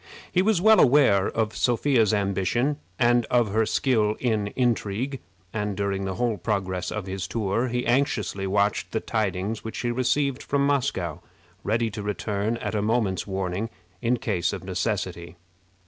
He was well aware of Sophia's ambition, and of her skill in intrigue, and during the whole progress of his tour he anxiously watched the tidings which he received from Moscow, ready to return at a moment's warning in case of necessity.